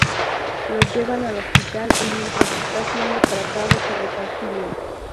Lo llevan al hospital y mientras está siendo tratado se reconcilian.